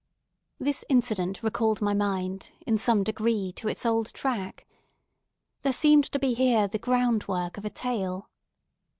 This incident recalled my mind, in some degree, to its old track. There seemed to be here the groundwork of a tale.